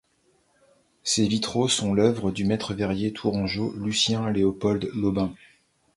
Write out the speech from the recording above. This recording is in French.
Ses vitraux sont l’œuvre du maître verrier tourangeau Lucien-Léopold Lobin.